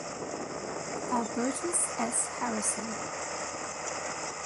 Albertis S. Harrison.